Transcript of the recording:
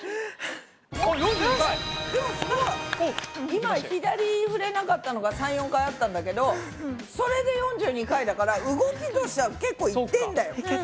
今左ふれなかったのが３４回あったんだけどそれで４２回だから動きとしては結構いってんだよ。